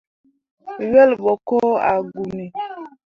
Wel ɓo ko ah guuni.